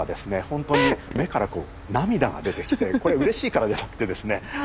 ほんとに目からこう涙が出てきてこれうれしいからじゃなくてですね